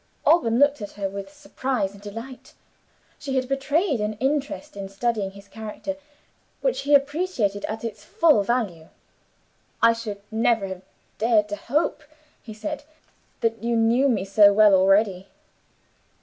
Alban looked at her with surprise and delight. She had betrayed an interest in studying his character, which he appreciated at its full value. "I should never have dared to hope," he said, "that you knew me so well already."